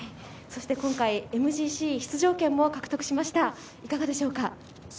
そして、今回ＭＧＣ出場権も獲得しましたいかがでしょうか？